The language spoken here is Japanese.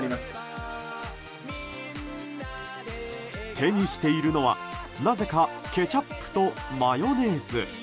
手にしているのはなぜかケチャップとマヨネーズ。